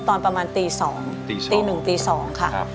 ตอนประมาณตี๑๒ค่ะ